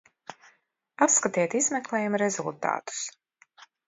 Apskatiet izmeklējuma rezultātus!